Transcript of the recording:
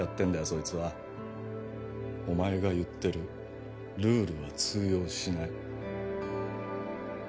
そいつはお前が言ってるルールは通用しない